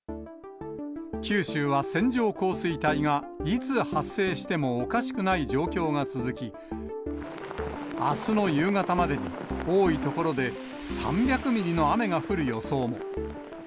九州は線状降水帯がいつ発生してもおかしくない状況が続き、あすの夕方までに、多い所で３００ミリの雨が降る予想も。